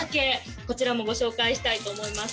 こちらもご紹介したいと思います